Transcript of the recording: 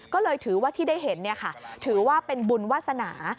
ก็เลยถือว่าที่ได้เห็นถือว่าเป็นบุญวาสนา